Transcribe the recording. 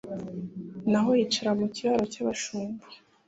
naho yicara mukiraro cyabashumba